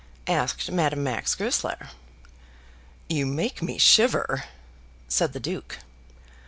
asked Madame Max Goesler. "You make me shiver," said the Duke.